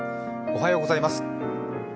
おはようございます。